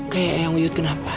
kayak yang uyut kenapa